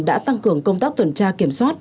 đã tăng cường công tác tuần tra kiểm soát